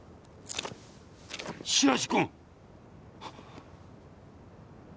白石君！